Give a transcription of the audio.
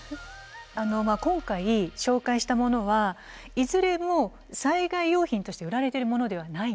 今回紹介したものはいずれも災害用品として売られてるものではないんです。